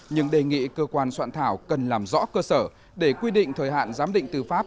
nhưng đề nghị cơ quan soạn thảo cần làm rõ cơ sở để quy định thời hạn giám định tư pháp